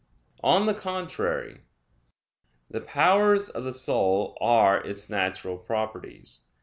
On the contrary, The powers of the soul are its natural properties.